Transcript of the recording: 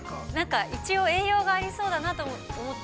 ◆一応、栄養がありそうだなと思って。